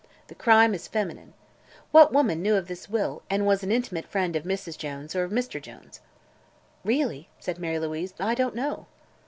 The crime is feminine. What woman knew of this will, and was an intimate friend of Mrs. Jones, or of Mr. Jones?" "Really," said Mary Louise, "I don't know."